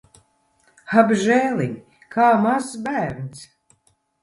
Apžēliņ! Kā mazs bērns.